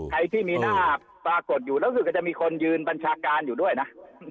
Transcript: ใครที่มีหน้าปรากฏอยู่แล้วรู้สึกก็จะมีคนยืนบัญชาการอยู่ด้วยนะ